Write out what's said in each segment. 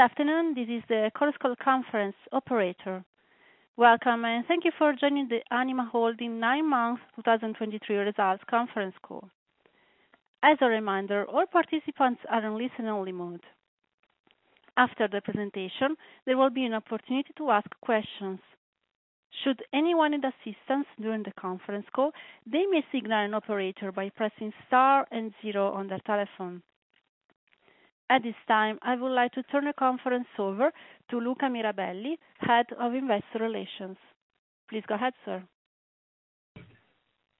Good afternoon, this is the Chorus Call Conference operator. Welcome, and thank you for joining the ANIMA Holding nine month, 2023 results conference call. As a reminder, all participants are in listen only mode. After the presentation, there will be an opportunity to ask questions. Should anyone need assistance during the conference call, they may signal an operator by pressing star and zero on their telephone. At this time, I would like to turn the conference over to Luca Mirabelli, Head of Investor Relations. Please go ahead, sir.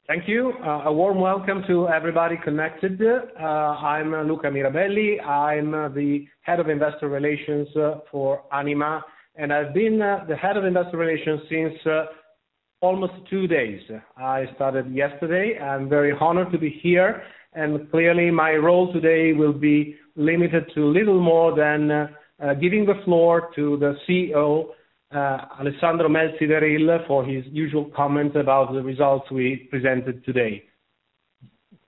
Thank you. A warm welcome to everybody connected. I'm Luca Mirabelli. I'm the Head of Investor Relations for Anima, and I've been the Head of Investor Relations since almost two days. I started yesterday. I'm very honored to be here, and clearly my role today will be limited to little more than giving the floor to the CEO, Alessandro Melzi d’Eril for his usual comment about the results we presented today.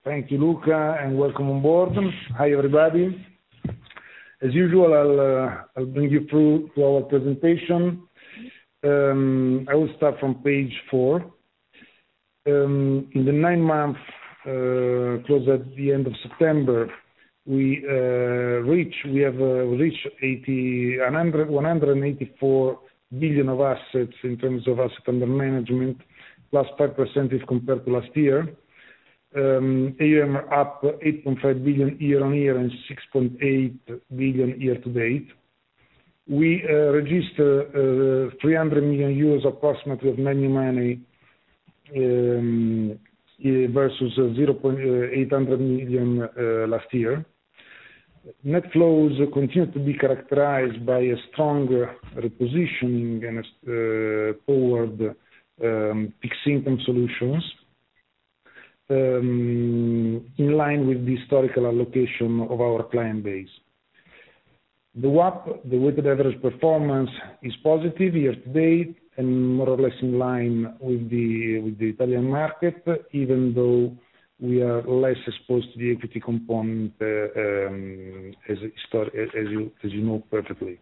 Thank you, Luca, and welcome on board. Hi, everybody. As usual, I'll bring you through to our presentation. I will start from page four. In the nine-month close at the end of September, we have reached 184 billion of assets in terms of asset under management, +5% if compared to last year. AUM up 8.5 billion year-on-year and 6.8 billion year to date. We registered approximately 300 million euros of net new money versus 800 million last year. Net flows continue to be characterized by a strong repositioning toward fixed income solutions, in line with the historical allocation of our client base. The WAP, the weighted average performance, is positive year to date and more or less in line with the Italian market, even though we are less exposed to the equity component, as you know perfectly.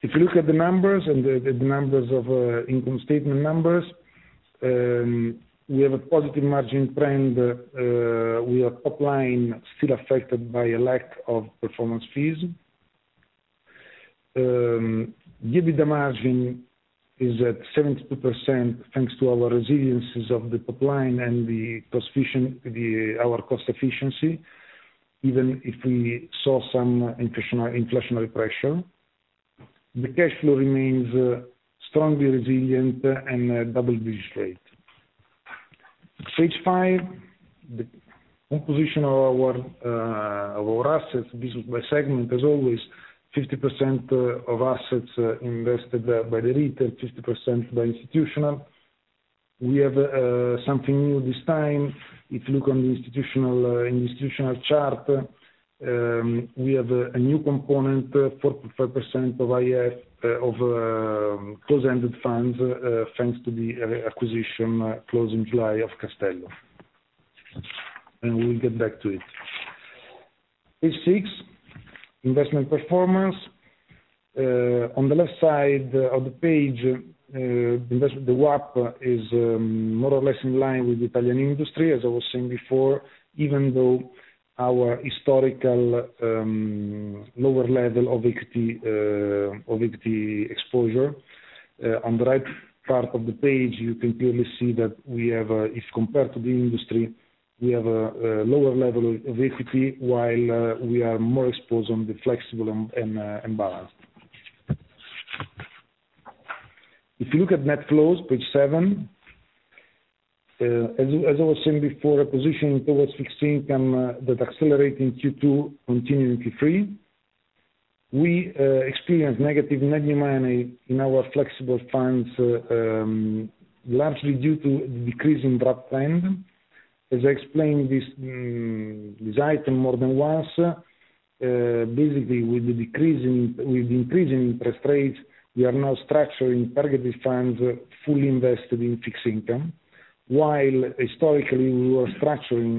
If you look at the numbers and the numbers of the income statement, we have a positive margin trend. Our top line is still affected by a lack of performance fees. Given the margin is at 72%, thanks to our resilience of the top line and our cost efficiency, even if we saw some inflationary pressure. The cash flow remains strongly resilient and a double-digit rate. Page five, the composition of our assets, this is by segment, as always, 50% of assets invested by the retail, 50% by institutional. We have something new this time. If you look on the institutional chart, we have a new component, 45% of AIFs of closed-ended funds, thanks to the acquisition closed in July of Castello. And we'll get back to it. Page six, investment performance. On the left side of the page, the WAP is more or less in line with the Italian industry, as I was saying before, even though our historical lower level of equity exposure. On the right part of the page, you can clearly see that we have, if compared to the industry, we have a lower level of equity, while we are more exposed on the flexible and balanced. If you look at net flows, page seven, as I was saying before, a position towards fixed income that accelerate in Q2, continuing Q3. We experienced negative net new money in our flexible funds, largely due to a decrease in wrap plan. As I explained this item more than once, basically, with the decrease in. With the increase in interest rates, we are now structuring target date funds fully invested in fixed income, while historically, we were structuring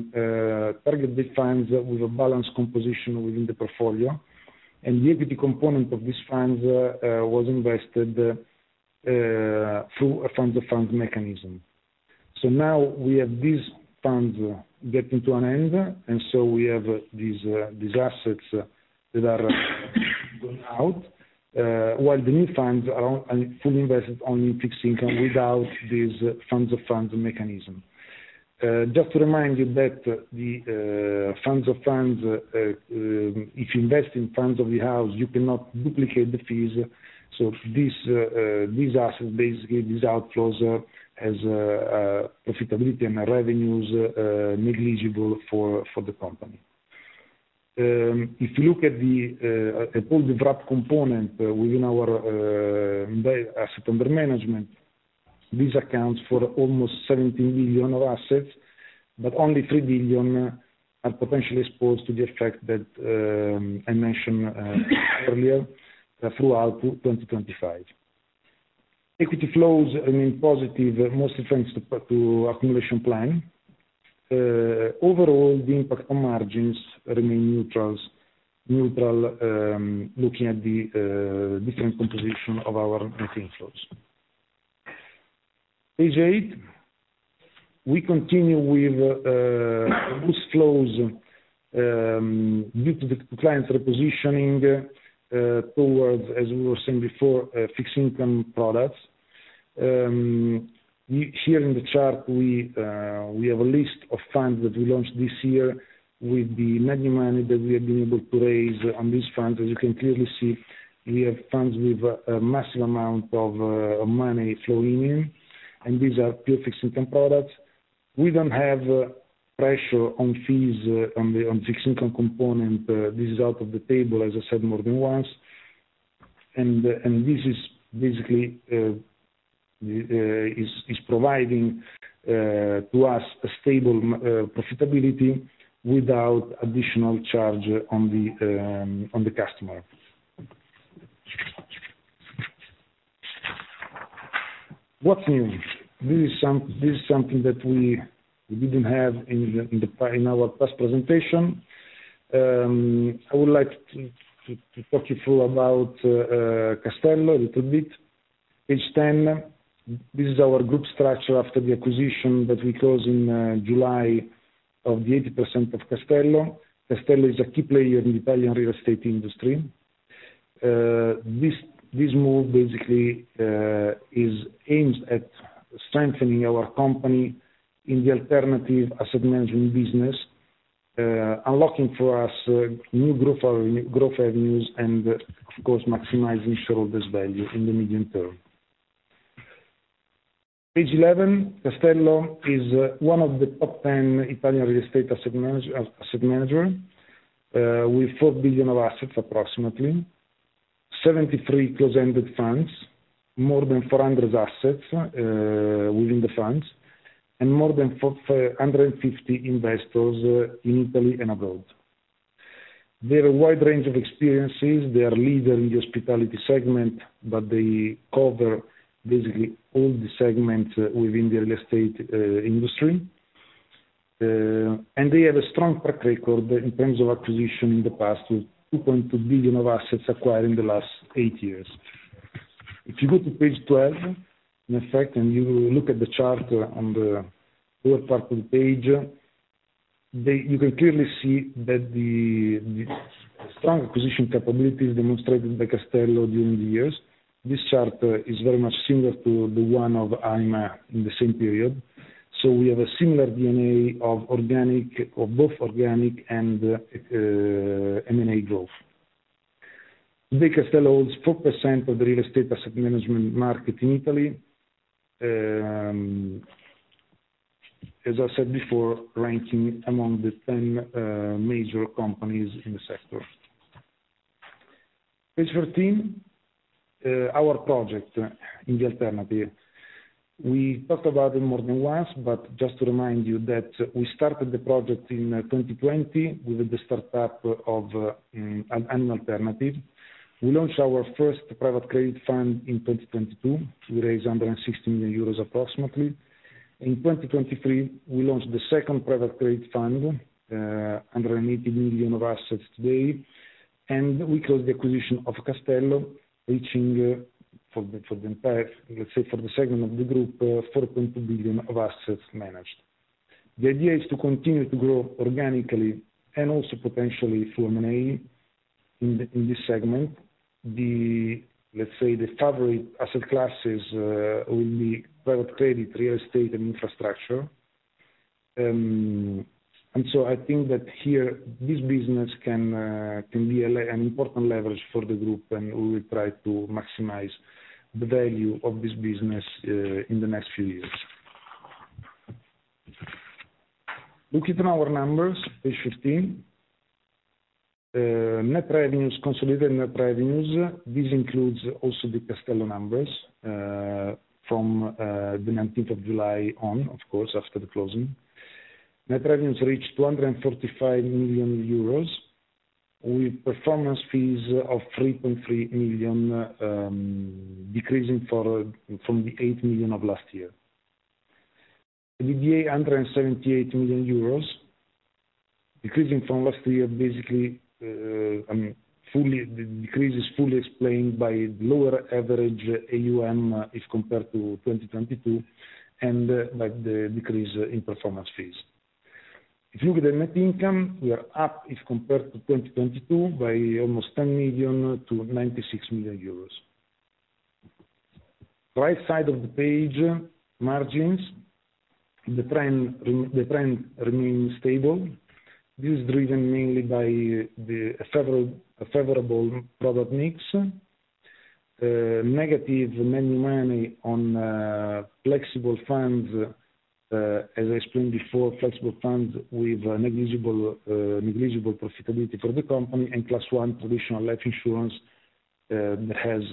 target date funds with a balanced composition within the portfolio, and the equity component of these funds was invested through a funds of funds mechanism. So now we have these funds getting to an end, and so we have these assets that are going out, while the new funds are fully invested only in fixed income without these funds of funds mechanism. Just to remind you that the funds of funds, if you invest in funds of the house, you cannot duplicate the fees. So this these assets, basically, these outflows, has profitability and revenues negligible for the company. If you look at all the wrap component within our asset under management, these accounts for almost 17 billion of assets, but only 3 billion are potentially exposed to the effect that I mentioned earlier, throughout 2025. Equity flows remain positive, mostly thanks to accumulation plan. Overall, the impact on margins remain neutral, looking at the different composition of our net inflows. Page eight. We continue with those flows due to the clients repositioning towards, as we were saying before, fixed income products. We here in the chart have a list of funds that we launched this year with the money that we have been able to raise on this fund. As you can clearly see, we have funds with a massive amount of money flowing in, and these are pure fixed income products. We don't have pressure on fees on the fixed income component. This is out of the table, as I said more than once. And this is basically providing to us a stable profitability without additional charge on the customer. What's new? This is something that we didn't have in our past presentation. I would like to talk you through about Castello a little bit. Page 10. This is our group structure after the acquisition that we closed in July of the 80% of Castello. Castello is a key player in the Italian real estate industry. This move, basically, is aimed at strengthening our company in the alternative asset management business, unlocking for us new growth avenues and, of course, maximizing shareholders value in the medium term. Page 11. Castello is one of the top 10 Italian real estate asset manager, with 4 billion of assets, approximately. 73 closed-ended funds, more than 400 assets within the funds, and more than 450 investors in Italy and abroad. There are a wide range of experiences. They are leader in the hospitality segment, but they cover basically all the segments within the real estate industry. And they have a strong track record in terms of acquisition in the past, with 2.2 billion of assets acquired in the last eight years. If you go to page 12, in effect, and you look at the chart on the lower part of the page, you can clearly see that the strong acquisition capabilities demonstrated by Castello during the years. This chart is very much similar to the one of ANIMA in the same period, so we have a similar DNA of both organic and M&A growth. Castello holds 4% of the real estate asset management market in Italy. As I said before, ranking among the 10 major companies in the sector. Page 13, our project in the alternative. We talked about it more than once, but just to remind you that we started the project in 2020, with the startup of an alternative. We launched our first private credit fund in 2022. We raised 160 million euros, approximately. In 2023, we launched the second private credit fund, under 80 million of assets today, and we closed the acquisition of Castello, reaching, for the entire, let's say, for the second of the group, 4.2 billion of assets managed. The idea is to continue to grow organically and also potentially through M&A in the, in this segment. The, let's say, the favorite asset classes, will be private credit, real estate, and infrastructure. And so I think that here, this business can, can be an important leverage for the group, and we will try to maximize the value of this business, in the next few years. Looking on our numbers, page 15. Net revenues, consolidated net revenues, this includes also the Castello numbers from the 19th of July on, of course, after the closing. Net revenues reached 235 million euros, with performance fees of 3.3 million, decreasing from the 8 million of last year. The EBITDA, 178 million euros, decreasing from last year, basically, the decrease is fully explained by lower average AUM if compared to 2022, and by the decrease in performance fees. If you look at the net income, we are up if compared to 2022, by almost 10 million to 96 million euros. Right side of the page, margins. The trend remains stable. This is driven mainly by the favorable product mix. Negative net new money on flexible funds, as I explained before, flexible funds with negligible profitability for the company, and plus one traditional life insurance has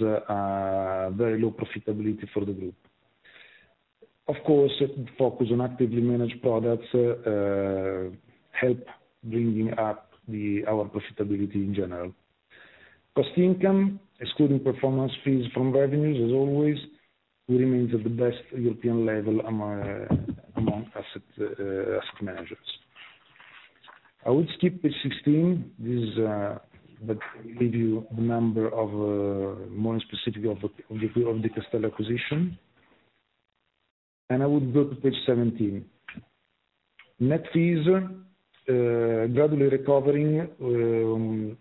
very low profitability for the group. Of course, focus on actively managed products help bringing up our profitability in general. Cost-income, excluding performance fees from revenues, as always, remains at the best European level among asset managers. I would skip page 16. This that give you the number of, more specifically of the Castello position. I would go to page 17. Net fees gradually recovering.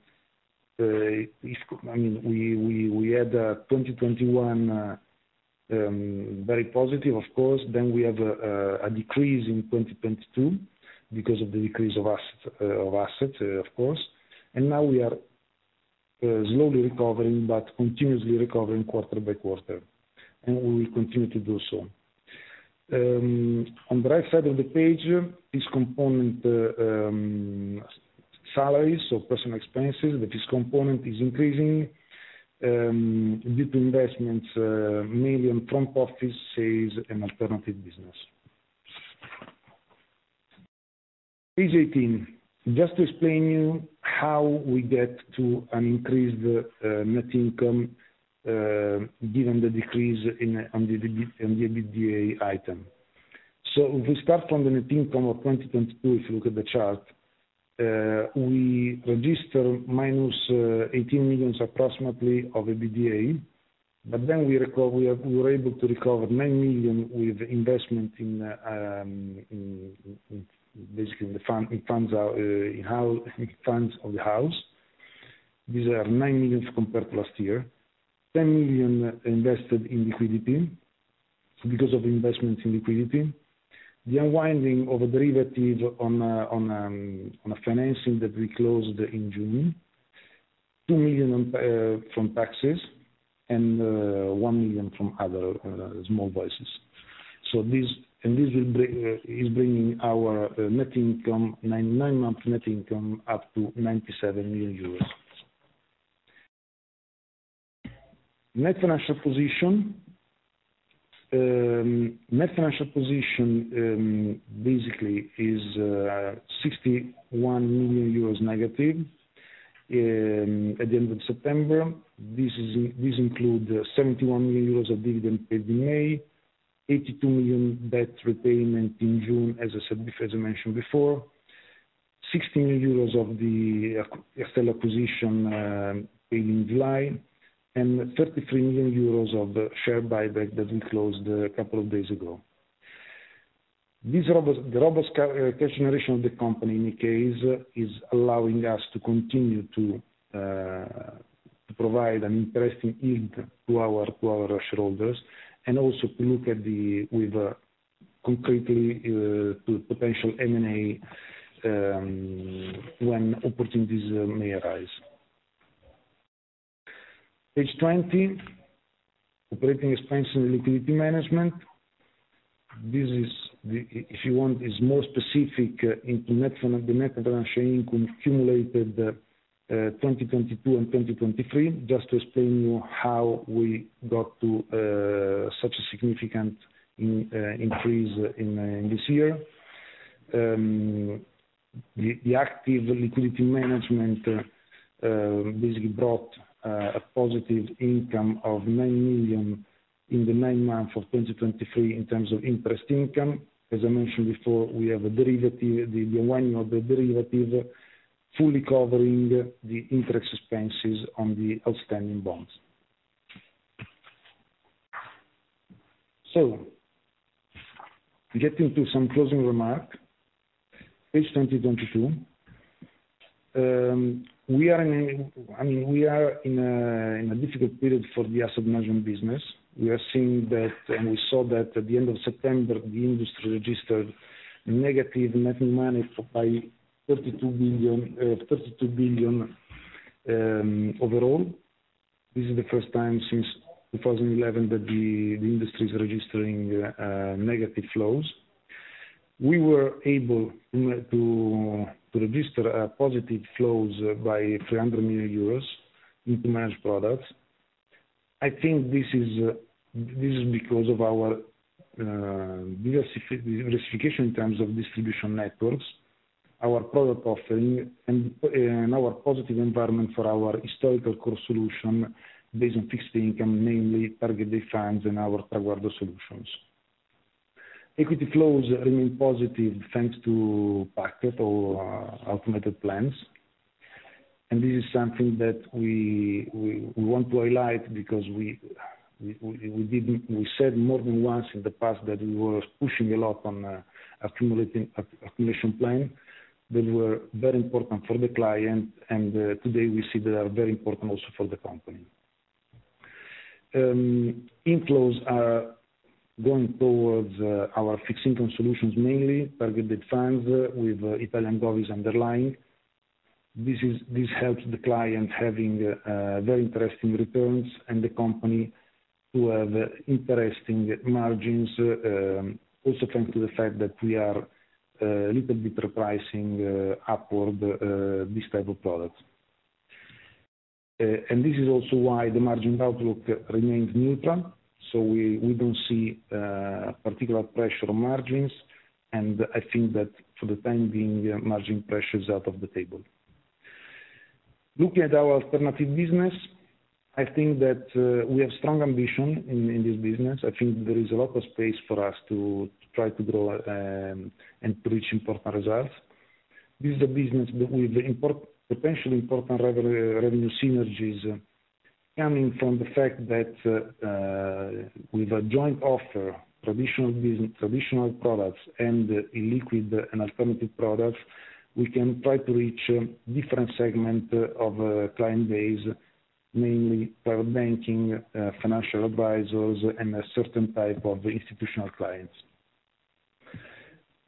I mean, we had 2021 very positive, of course, then we have a decrease in 2022 because of the decrease of assets, of course. Now we are slowly recovering, but continuously recovering quarter by quarter, and we will continue to do so. On the right side of the page, this component, salaries or personnel expenses, but this component is increasing, due to investments, mainly in front office sales and alternative business. Page 18. Just to explain to you how we get to an increased, net income, given the decrease in the EBITDA item. So we start from the net income of 2022, if you look at the chart. We register minus 18 million approximately of EBITDA, but then we recover, we were able to recover 9 million with investment in, basically the fund, in funds, in house, in funds of the house. These are 9 million compared to last year. 10 million invested in liquidity, because of investment in liquidity. The unwinding of a derivative on, on a financing that we closed in June. 2 million on, from taxes, and, 1 million from other, small biases. So this, and this will bring, is bringing our, net income, nine-month net income up to 97 million euros. Net financial position. Net financial position, basically is, -61 million euros, at the end of September. This is, this include 71 million euros of dividend paid in May, 82 million debt repayment in June, as I said, as I mentioned before, 60 million euros of the, Castello position, paid in July, and 33 million euros of the share buyback that we closed a couple of days ago. This robust cash generation of the company indicates, is allowing us to continue to provide an interesting yield to our shareholders. And also to look at the concretely to potential M&A when opportunities may arise. Page 20, operating expense and liquidity management. This is the if you want is more specific into the net financial income accumulated 2022 and 2023, just to explain you how we got to such a significant increase in this year. The active liquidity management basically brought a positive income of 9 million in the nine months of 2023 in terms of interest income. As I mentioned before, we have a derivative, the unwinding of the derivative, fully covering the interest expenses on the outstanding bonds. So getting to some closing remark. Page 22. We are in a, I mean, we are in a, in a difficult period for the asset management business. We are seeing that, and we saw that at the end of September, the industry registered negative net new money by 32 billion overall. This is the first time since 2011 that the industry is registering negative flows. We were able to register positive flows by 300 million euros into managed products. I think this is because of our diversification in terms of distribution networks, our product offering, and our positive environment for our historical core solution based on fixed income, mainly target date funds and our target solutions. Equity flows remain positive, thanks to PAC or automated plans. This is something that we want to highlight because we said more than once in the past that we were pushing a lot on accumulating accumulation plan that were very important for the client, and today we see they are very important also for the company. Inflows are going towards our fixed income solutions, mainly target date funds with Italian govies underlying. This helps the client having very interesting returns and the company to have interesting margins, also thanks to the fact that we are a little bit repricing upward this type of products. And this is also why the margin outlook remains neutral. So we don't see particular pressure on margins, and I think that for the time being, margin pressure is out of the table. Looking at our alternative business, I think that we have strong ambition in this business. I think there is a lot of space for us to try to grow and to reach important results. This is a business with potentially important revenue synergies, coming from the fact that with a joint offer, traditional business, traditional products, and illiquid and alternative products, we can try to reach different segment of client base, mainly private banking, financial advisors, and a certain type of institutional clients.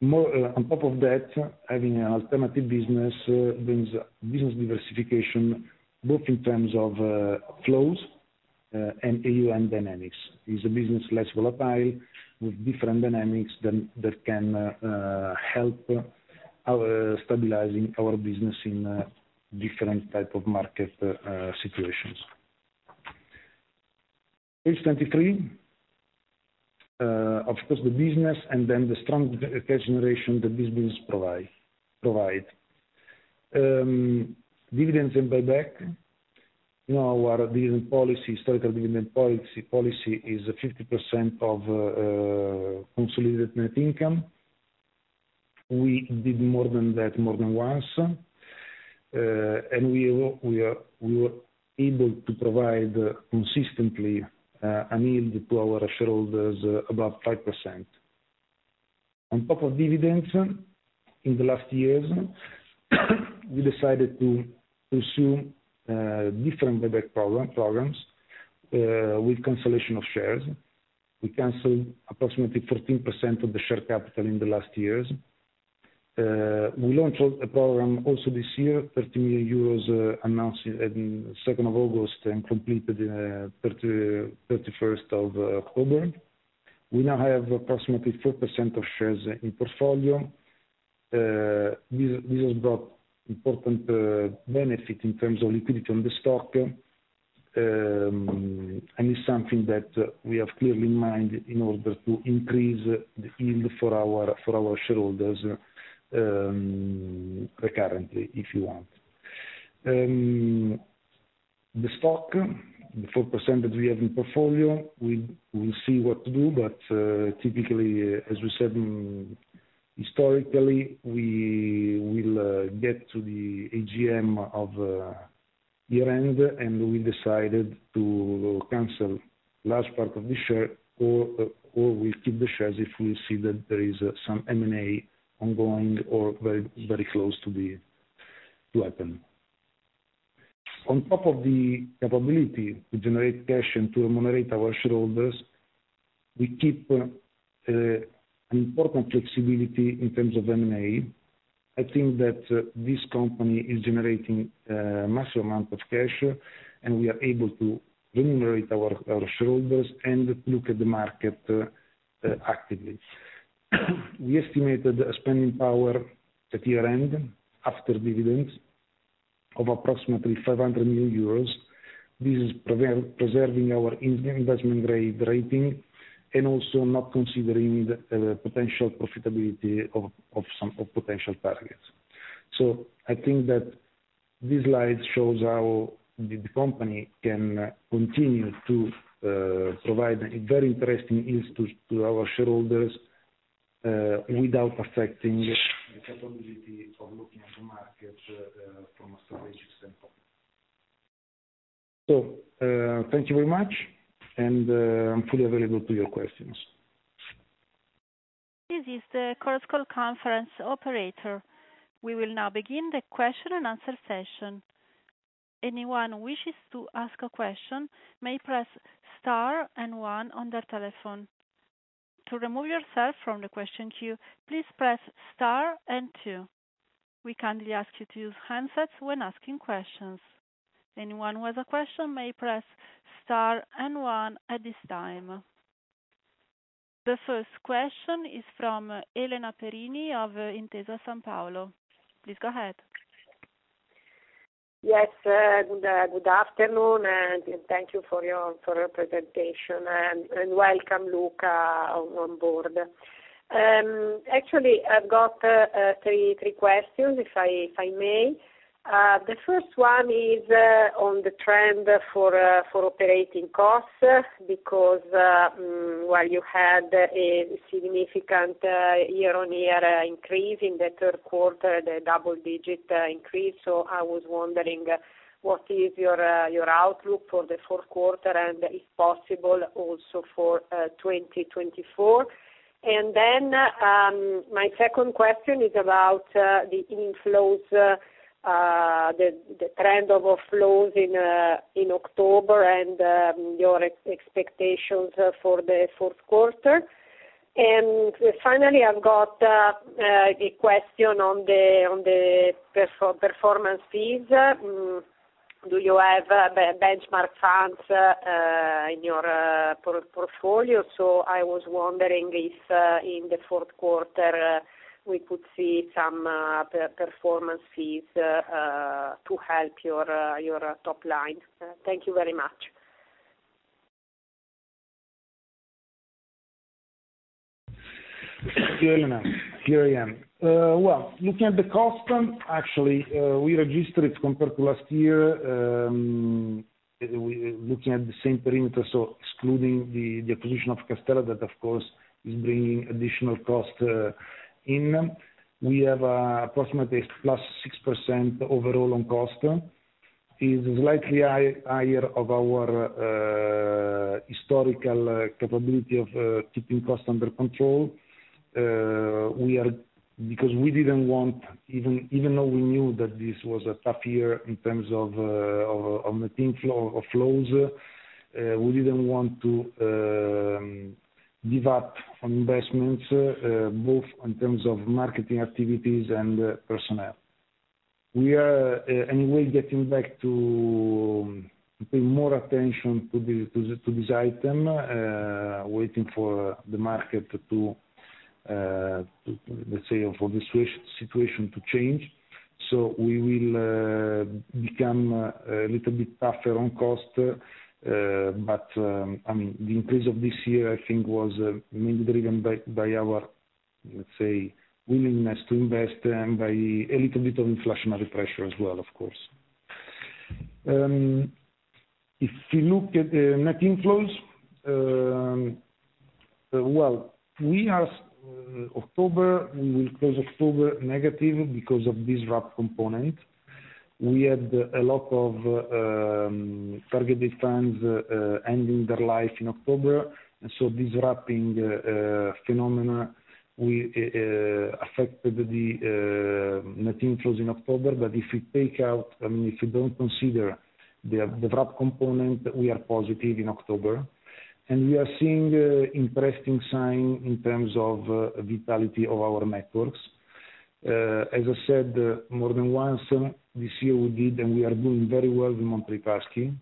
More on top of that, having an alternative business brings business diversification, both in terms of flows and AUM dynamics. It's a business less volatile, with different dynamics than that can help our stabilizing our business in different type of market situations. Page 23. Of course, the business and then the strong cash generation that this business provide. Dividends and buyback. Now, our dividend policy, current dividend policy is 50% of consolidated net income. We did more than that, more than once. And we were, we are, we were able to provide consistently a yield to our shareholders above 5%. On top of dividends, in the last years, we decided to pursue different buyback programs with cancellation of shares. We canceled approximately 14% of the share capital in the last years. We launched a program also this year, 13 million euros, announced in 2nd of August and completed 31st of October. We now have approximately 4% of shares in portfolio. This has brought important benefit in terms of liquidity on the stock. It's something that we have clearly in mind in order to increase the yield for our, for our shareholders, recurrently, if you want. The stock, the 4% that we have in portfolio, we'll see what to do, but typically, as we said, historically, we will get to the AGM of year-end, and we decided to cancel large part of the share, or, or we keep the shares if we see that there is some M&A ongoing or very, very close to be flattened. On top of the capability to generate cash and to remunerate our shareholders, we keep an important flexibility in terms of M&A. I think that this company is generating massive amount of cash, and we are able to remunerate our, our shareholders and look at the market actively. We estimated a spending power at year-end, after dividends, of approximately 500 million euros. This is preserving our investment grade rating, and also not considering the potential profitability of some potential targets. So I think that this slide shows how the company can continue to provide a very interesting institute to our shareholders, without affecting the capability of looking at the market, from a strategic standpoint. So, thank you very much, and I'm fully available to your questions. This is the Chorus Call conference operator. We will now begin the question and answer session. Anyone who wishes to ask a question may press star and one on their telephone. To remove yourself from the question queue, please press star and two. We kindly ask you to use handsets when asking questions. Anyone with a question may press star and one at this time. The first question is from Elena Perini of Intesa Sanpaolo. Please go ahead. Yes, good afternoon, and thank you for your presentation, and welcome, Luca, on board. Actually, I've got three questions, if I may. The first one is on the trend for operating costs, because, well, you had a significant year-on-year increase in the third quarter, the double-digit increase. So I was wondering, what is your outlook for the fourth quarter, and if possible, also for 2024? And then, my second question is about the inflows, the trend of outflows in October and your expectations for the fourth quarter. And finally, I've got the question on the performance fees. Do you have benchmark funds in your portfolio? I was wondering if, in the fourth quarter, we could see some performance fees to help your top line. Thank you very much. Here I am. Here I am. Well, looking at the cost, actually, we registered it compared to last year, looking at the same perimeter, so excluding the acquisition of Castello, that, of course, is bringing additional cost in. We have approximately +6% overall on cost. It is slightly higher than our historical capability of keeping cost under control. Because we didn't want, even though we knew that this was a tough year in terms of net flow, of flows, we didn't want to give up on investments, both in terms of marketing activities and personnel. We are anyway getting back to pay more attention to this item, waiting for the market to, let's say, for the situation to change. So we will become a little bit tougher on cost, but I mean, the increase of this year, I think, was mainly driven by our, let's say, willingness to invest and by a little bit of inflationary pressure as well, of course. If you look at the net inflows, well, we are October, we will close October negative because of this wrap component. We had a lot of target date funds ending their life in October, and so this wrapping phenomena affected the net inflows in October. But if you take out, I mean, if you don't consider the wrap component, we are positive in October. And we are seeing interesting sign in terms of the vitality of our networks. As I said, more than once, this year, we did, and we are doing very well with Monte Paschi.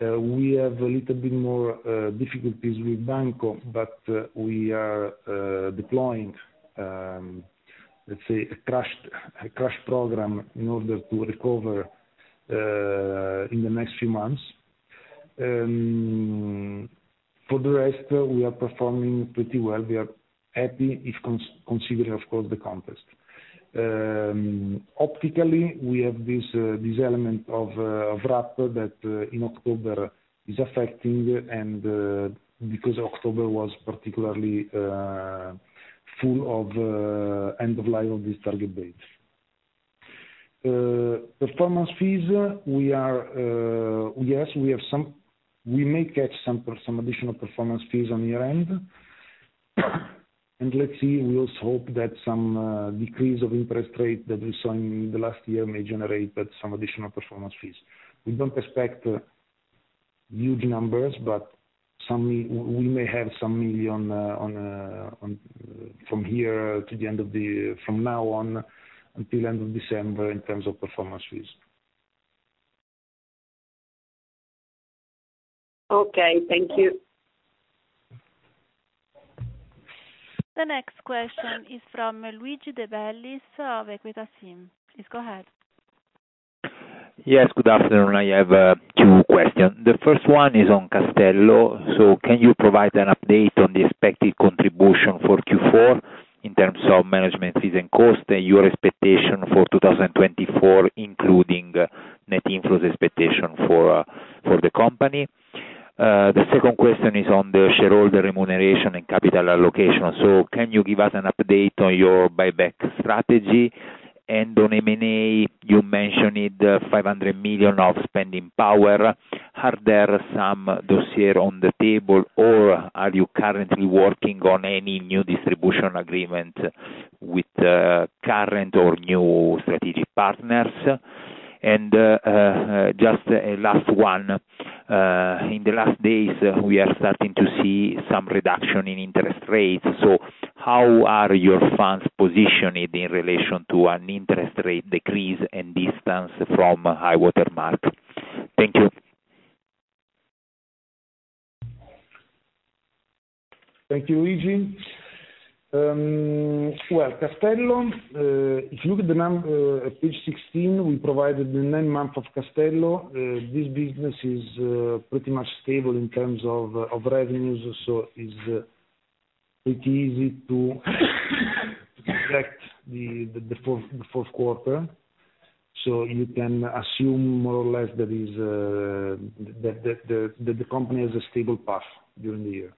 We have a little bit more difficulties with Banco, but we are deploying, let's say, a crash, a crash program in order to recover in the next few months. For the rest, we are performing pretty well. We are happy, if considering, of course, the context. Optically, we have this, this element of, of wrap that in October is affecting, and because October was particularly full of end of life of these target dates. Performance fees, we are, yes, we have some—we may catch some some additional performance fees on year-end. Let's see, we also hope that some decrease of interest rate that we saw in the last year may generate, but some additional performance fees. We don't expect huge numbers, but some we, we may have some million EUR, on, on, from here to the end of the, from now on, until end of December, in terms of performance fees. Okay, thank you. The next question is from Luigi De Bellis of Equita SIM. Please go ahead. Yes, good afternoon. I have two questions. The first one is on Castello. So can you provide an update on the expected contribution for Q4 in terms of management fees and cost, and your expectation for 2024, including net inflows expectation for the company? The second question is on the shareholder remuneration and capital allocation. So can you give us an update on your buyback strategy? And on M&A, you mentioned it, the 500 million of spending power. Are there some dossier on the table, or are you currently working on any new distribution agreement with current or new strategic partners? And just a last one. In the last days, we are starting to see some reduction in interest rates, so how are your funds positioned in relation to an interest rate decrease and distance from high water mark? Thank you. Thank you, Luigi. Well, Castello, if you look at the page 16, we provided the nine months of Castello. This business is pretty much stable in terms of revenues, so it's pretty easy to track the fourth quarter. So you can assume more or less that the company has a stable path during the year.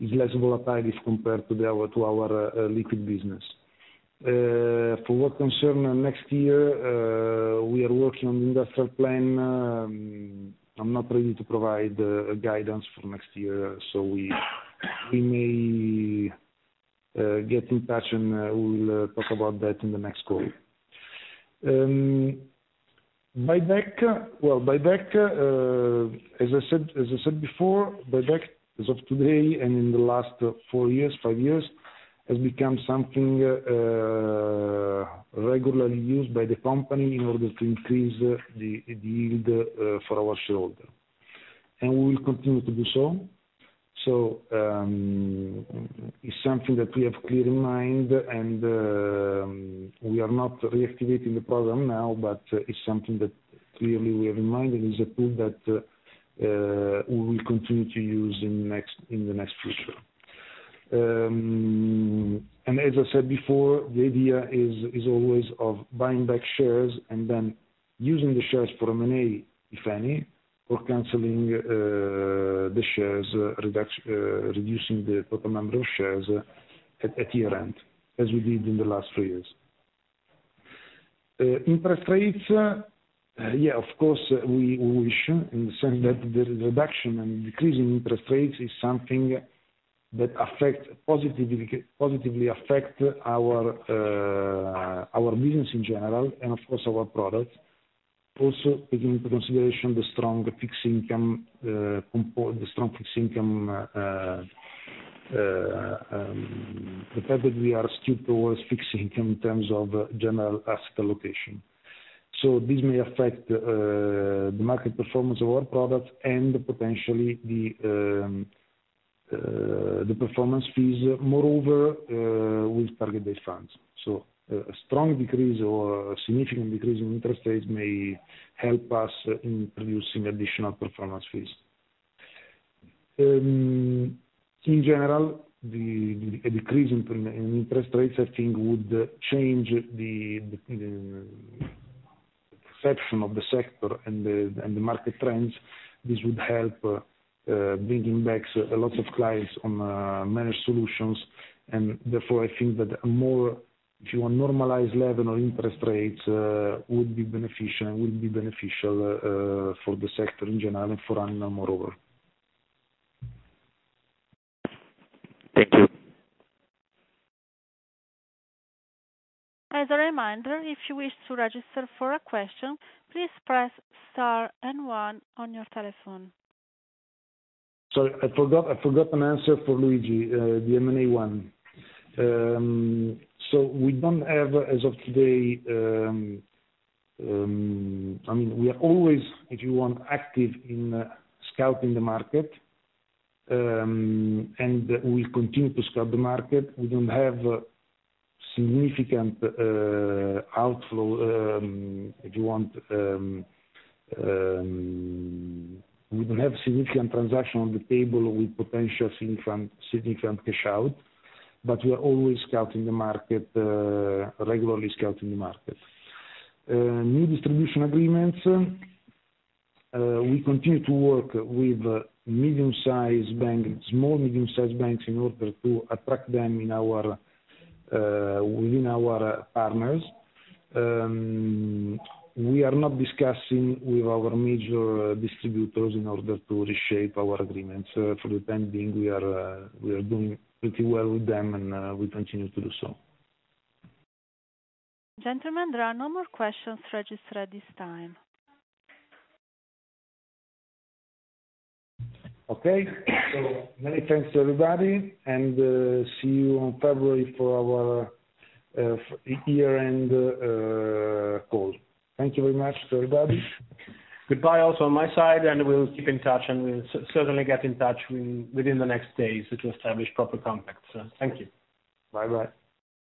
It's less volatile as compared to our liquid business. For what concern next year, we are working on industrial plan. I'm not ready to provide guidance for next year, so we may get in touch and we will talk about that in the next call. Buyback, well, buyback, as I said, as I said before, buyback, as of today and in the last four years, five years, has become something regularly used by the company in order to increase the yield for our shareholder. And we will continue to do so. So, it's something that we have clear in mind, and, we are not reactivating the program now, but it's something that clearly we have in mind, and is a tool that we will continue to use in next, in the next future. And as I said before, the idea is, is always of buying back shares and then using the shares for M&A, if any, or canceling the shares, reducing the total number of shares at year-end, as we did in the last three years. Interest rates, yeah, of course, we wish in the sense that the reduction and decreasing interest rates is something that affect positively, positively affect our business in general and, of course, our products. Also, taking into consideration the strong fixed income, the strong fixed income, the fact that we are still towards fixed income in terms of general asset allocation. So this may affect the market performance of our products and potentially the performance fees, moreover, with target-based funds. So a strong decrease or a significant decrease in interest rates may help us in producing additional performance fees. In general, a decrease in interest rates, I think, would change the perception of the sector and the market trends. This would help, bringing back a lot of clients on managed solutions. And therefore, I think that a more, if you want, normalized level of interest rates would be beneficial, and will be beneficial for the sector in general and for ANIMA, moreover. Thank you. As a reminder, if you wish to register for a question, please press star and one on your telephone. Sorry, I forgot, I forgot an answer for Luigi, the M&A one. So we don't have, as of today, I mean, we are always, if you want, active in scouting the market, and we continue to scout the market. We don't have significant outflow, if you want, we don't have significant transaction on the table with potential significant, significant cash out, but we are always scouting the market, regularly scouting the market. New distribution agreements, we continue to work with medium-sized banks, small/medium-sized banks, in order to attract them in our, within our partners. We are not discussing with our major distributors in order to reshape our agreements. For the time being, we are, we are doing pretty well with them, and, we continue to do so. Gentlemen, there are no more questions registered at this time. Okay. So many thanks to everybody, and see you in February for our year-end call. Thank you very much to everybody. Goodbye, also on my side, and we'll keep in touch, and we'll certainly get in touch within the next days to establish proper contacts. Thank you. Bye-bye.